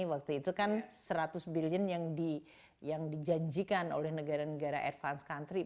waktu itu kan seratus billion yang dijanjikan oleh negara negara advance country